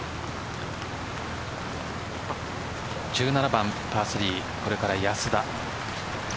１７番パー３これから安田。